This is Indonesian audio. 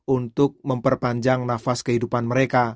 untuk memperpanjang nafas kehidupan mereka